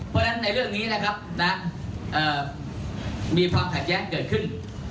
เพราะฉะนั้นในเรื่องนี้นะครับมีความขัดแย้งเกิดขึ้น